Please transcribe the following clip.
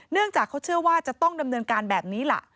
เนื่องจากเขาเชื่อว่าจะต้องดำเนินการแบบนี้ล่ะ